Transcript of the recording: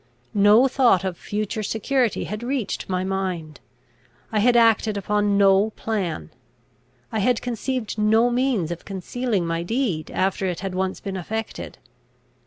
No thought of future security had reached my mind. I had acted upon no plan. I had conceived no means of concealing my deed, after it had once been effected.